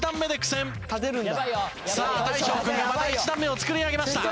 さあ大昇君がまた１段目を作り上げました。